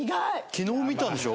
昨日見たんでしょ？